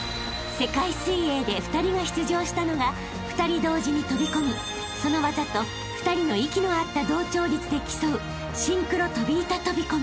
［世界水泳で２人が出場したのが２人同時に飛び込みその技と２人の息の合った同調率で競う］